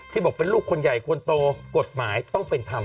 บอกเป็นลูกคนใหญ่คนโตกฎหมายต้องเป็นธรรม